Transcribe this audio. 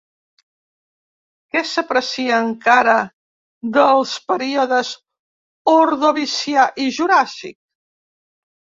Què s'aprecia encara dels períodes Ordovicià i Juràssic?